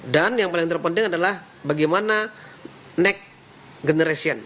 dan yang paling terpenting adalah bagaimana next generation